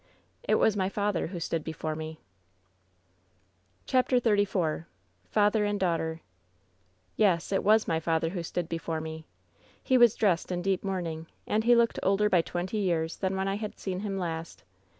"It was my father who stood before me/^ CHAPTEK XXXIV FATHEB AND DAUGHTER "Yes, it was my father who stood before me. "He was dressed in deep mourning, and he looked older by twenty years than when I had seen him last.